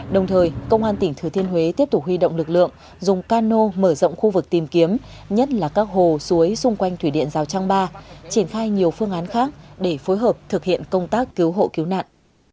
đồng thời công an tỉnh thừa thiên huế tiếp tục huy động lực lượng dùng cano mở rộng khu vực tìm kiếm nhất là các hồ suối xung quanh thủy điện rào trăng ba triển khai nhiều phương án khác để phối hợp thực hiện công tác cứu hộ cứu nạn